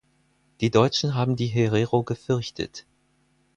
Die Deutschen haben die Herero gefürchtet.